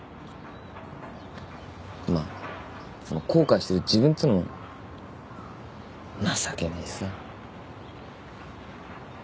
まあその後悔してる自分っつうのも情けねえしさ。